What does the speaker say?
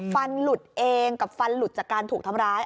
ฟันหลุดเองกับฟันหลุดจากการถูกทำร้าย